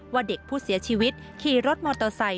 ว่าเด็กผู้เสียชีวิตขี่รถมอเตอร์ไซค